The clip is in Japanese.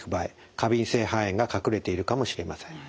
過敏性肺炎が隠れているかもしれません。